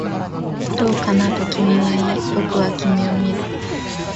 どうかな、と君は言い、僕は君を見る